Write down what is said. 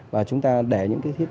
và chúng ta để những cái thiết kế